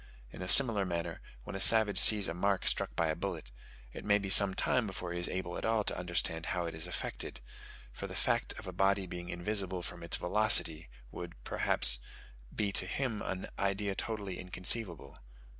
In a similar manner, when a savage sees a mark struck by a bullet, it may be some time before he is able at all to understand how it is effected; for the fact of a body being invisible from its velocity would perhaps be to him an idea totally inconceivable.